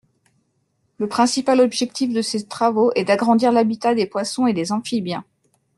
Le principal objectif de ces travaux est d'agrandir l'habitat des poissons et des amphibiens.